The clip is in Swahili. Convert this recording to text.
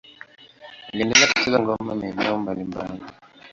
Aliendelea kucheza ngoma maeneo mbalimbali.